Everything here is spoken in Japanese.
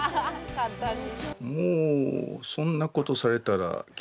簡単に。